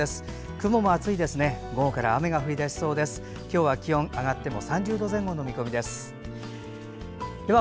雲も厚いですね。